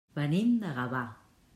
Venim de Gavà.